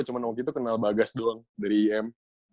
cuma waktu itu kenal bagas doang dari im